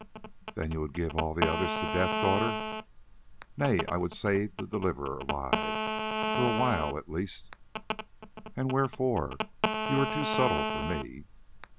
"Then you would give all the others to death, daughter?" "Nay, I would save the Deliverer alive, for a while at least." "And wherefore? You are too subtle for me."